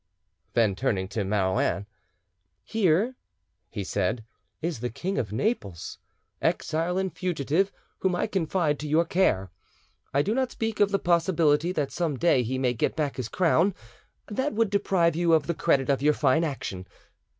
Then turning to Marouin— "Here," he said, "is the King of Naples, exile and fugitive, whom I confide to your care. I do not speak of the possibility that some day he may get back his crown, that would deprive you of the credit of your fine action....